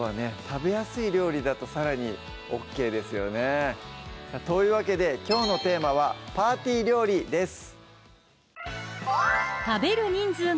食べやすい料理だとさらにＯＫですよねというわけできょうのテーマは「パーティー料理」です